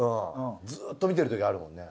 ずっと見てるときあるもんね。